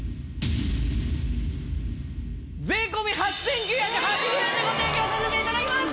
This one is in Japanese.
税込８９８０円でご提供させて頂きます！